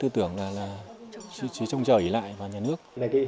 tưởng là chỉ trông trở lại vào nhà nước